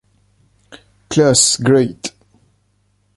Class”” great.